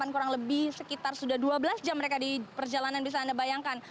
kurang lebih sekitar sudah dua belas jam mereka di perjalanan bisa anda bayangkan